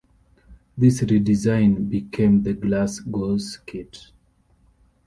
This redesign became the Glass Goose kit.